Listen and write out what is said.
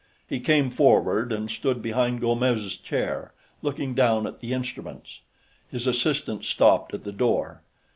He came forward and stood behind Gomes' chair, looking down at the instruments. His assistant stopped at the door.